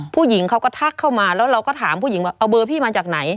ผู้หญิงเขาก็ทักเข้ามาแล้วเราก็ถามผู้หญิงว่าเอาเบอร์พี่มาจากไหน